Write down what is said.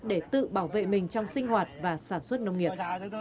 để tự bảo vệ mình trong sinh hoạt và sản xuất nông nghiệp